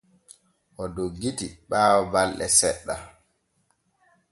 O doggiti ɓaawo balɗe seɗɗa.